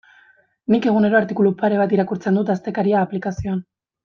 Nik egunero artikulu pare bat irakurtzen dut Astekaria aplikazioan.